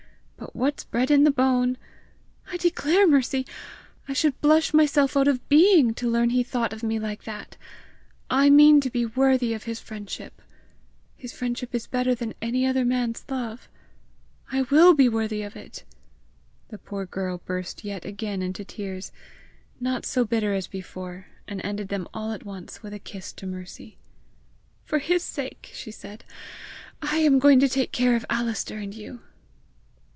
But what's bred in the bone !' I declare, Mercy, I should blush myself out of being to learn he thought of me like that! I mean to be worthy of his friendship! His friendship is better than any other man's love! I will be worthy of it!" The poor girl burst yet again into tears not so bitter as before, and ended them all at once with a kiss to Mercy. "For his sake," she said, "I am going to take care of Alister and you!"